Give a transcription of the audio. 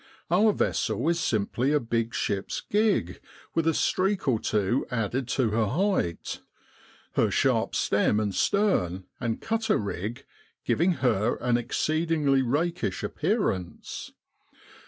Our vessel is simply a big ship's gig, with a streak or two added to her height, her sharp stem and stern and cutter rig giving her an exceedingly rakish appearance.